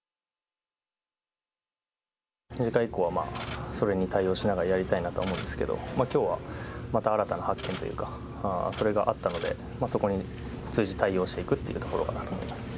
次回以降は、それに対応しながらやりたいなと思うんですけど、きょうはまた新たな発見というか、それがあったので、そこに随時、対応していくっていうところかなと思います。